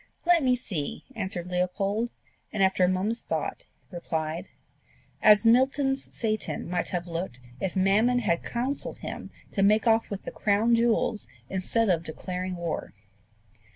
"Let me see," answered Leopold; and after a moment's thought replied, "As Milton's Satan might have looked if Mammon had counselled him to make off with the crown jewels instead of declaring war."